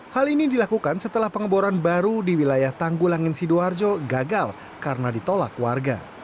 hal ini dilakukan setelah pengeboran baru di wilayah tanggulangin sidoarjo gagal karena ditolak warga